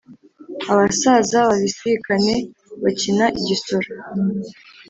Abasaza babisikane bakina igisoro